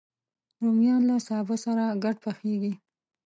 رومیان له سابه سره ګډ پخېږي